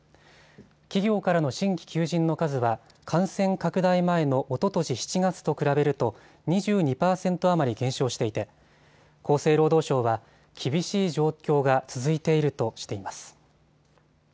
企業からの新規求人の数は感染拡大前のおととし７月と比べると２２％余り減少していて厚生労働省は厳しい状況が続いているとしています。